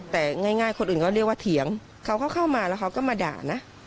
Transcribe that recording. แต่ง่ายคนอื่นก็เรียกว่าเถียงเขาก็เข้ามาแล้วเขาก็มาด่านะ